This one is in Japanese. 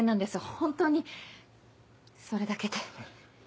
ホントにそれだけで。